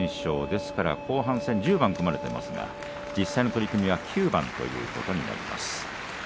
ですから後半戦１０番組まれていますが実際の取組は９番ということになります。